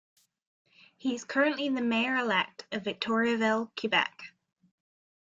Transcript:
He is currently the mayor-elect of Victoriaville, Quebec.